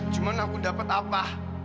cuman aku dapet apa